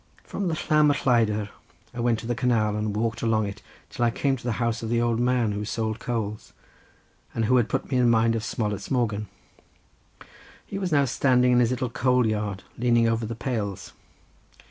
From the Llam y Lleidyr I went to the canal and walked along it till I came to the house of the old man who sold coals, and who had put me in mind of Smollett's Morgan; he was now standing in his little coal yard, leaning over the pales.